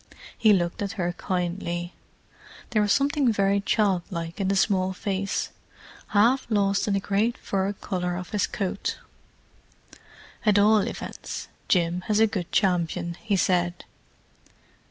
He looked at her kindly; there was something very child like in the small face, half lost in the great fur collar of his coat. "At all events, Jim has a good champion," he said.